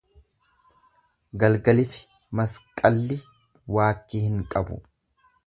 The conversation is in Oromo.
Galgalifi masqalli waakki hin qabu.